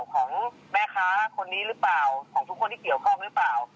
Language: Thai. ของแม่ค้าคนนี้หรือเปล่าของทุกคนที่เกี่ยวข้องหรือเปล่า